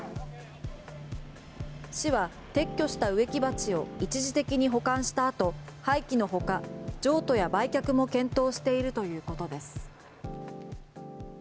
市は撤去した植木鉢を一時的に保管したあと廃棄のほか、譲渡や売却も検討しているということです。